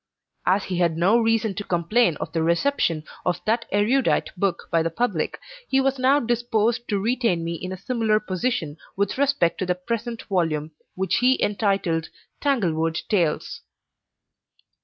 As he had no reason to complain of the reception of that erudite work by the public, he was now disposed to retain me in a similar position with respect to the present volume, which he entitled TANGLEWOOD TALES.